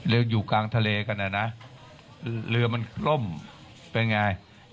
เรืออยู่กลางทะเลกันนะเรือมันกล้มเป็นอย่างไร